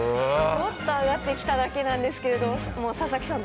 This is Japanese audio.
ちょっと上がってきただけなんですけど佐々木さん